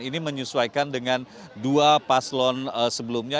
ini menyesuaikan dengan dua paslon sebelumnya